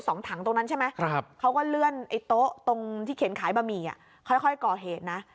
สองถังตรงนั้นใช่ไหมครับเขาก็เลื่อนไอ้โต๊ะตรงที่เข็นขายบะหมี่อ่ะค่อยก่อเหตุนะ